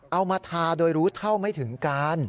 เอามาทาโดยรู้เท่าไม่ถึงการ